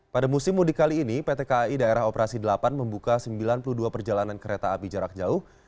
pada musim mudik kali ini pt kai daerah operasi delapan membuka sembilan puluh dua perjalanan kereta api jarak jauh